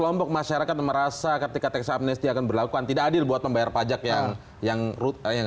mereka merasa ketika teks amnesti akan berlakuan tidak adil buat membayar pajak yang yang rute yang